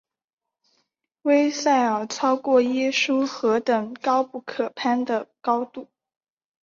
威塞尔超过耶稣何等高不可攀的高度！